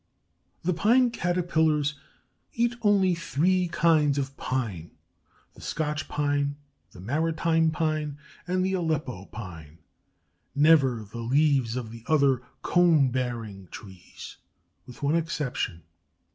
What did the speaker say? The Pine Caterpillars eat only three kinds of pine: the Scotch pine, the maritime pine, and the Aleppo pine; never the leaves of the other cone bearing trees, with one exception.